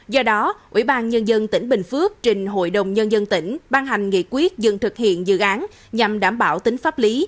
do đó ủy ban nhân dân tỉnh bình phước trình hội đồng nhân dân tỉnh ban hành nghị quyết dừng thực hiện dự án nhằm đảm bảo tính pháp lý